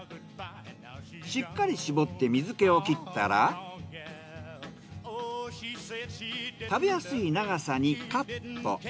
しっかり絞って水気を切ったら食べやすい長さにカット。